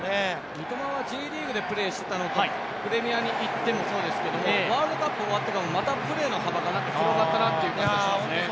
三笘はＪリーグでプレーしていたときとプレミアに行った後もそうですけどワールドカップ終わってからも、またプレーの幅が広がったなという気がしますね。